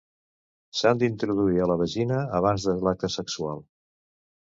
S'han d'introduir a la vagina abans de l'acte sexual.